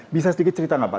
bisa sedikit cerita nggak pak